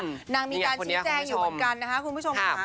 นางมีการชี้แจงอยู่เหมือนกันนะคะคุณผู้ชมค่ะ